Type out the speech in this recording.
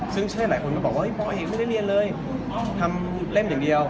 ซึ่งใช่หลายคนก็บอกว่าปอเอกไม่ได้เรียนเลยทำเล่มอย่างเดียว